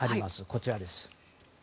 こちらです。